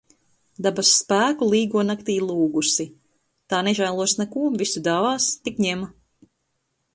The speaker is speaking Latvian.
Dabas spēku Līgo naktī lūgusi. Tā nežēlos neko, visu dāvās, tik ņem.